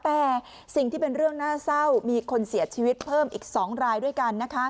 แต่สิ่งที่เป็นเรื่องน่าเศร้ามีคนเสียชีวิตเพิ่มอีก๒รายด้วยกันนะคะ